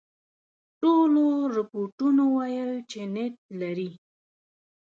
ټولو رپوټونو ویل چې نیت لري.